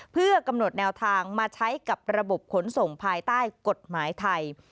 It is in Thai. เพื่อกำหนดแนวทางมาใช้กับระบบขนส่งภายใต้กฎหมายไทย